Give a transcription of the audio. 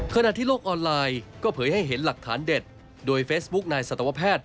ขณะที่โลกออนไลน์ก็เผยให้เห็นหลักฐานเด็ดโดยเฟซบุ๊คนายสัตวแพทย์